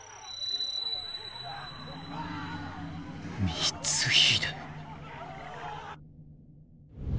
光秀。